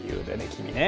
君ね。